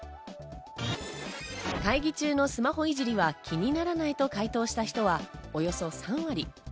会議中のスマホいじりは気にならないと回答した人はおよそ３割。